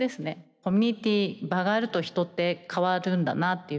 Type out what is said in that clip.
コミュニティ場があると人って変わるんだなっていうふうに。